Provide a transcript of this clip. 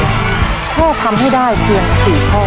แค่ทำให้ได้เพียง๔ข้อ